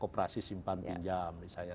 koperasi simpan pinjam misalnya